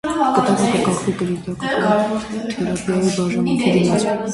Կտավը կկախվի կրիտիկական թերապիայի բաժանմունքի դիմաց։